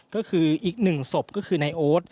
ก็คืออีกหนึ่งศพก็คือนายโอ๊ต